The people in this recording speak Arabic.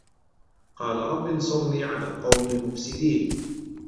قالَ رَبِّ انصُرني عَلَى القَومِ المُفسِدينَ